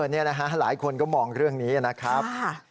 นี่นะฮะหลายคนก็มองเรื่องนี้นะครับ